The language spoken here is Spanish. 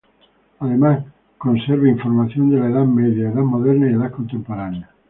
Además, conserva información de la Edad Media, Edad Moderna y Edad Contemporánea.